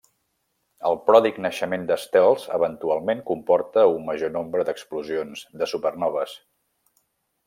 El pròdig naixement d'estels eventualment comporta a un major nombre d'explosions de supernoves.